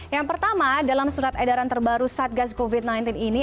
yang pertama dalam surat edaran terbaru satgas covid sembilan belas ini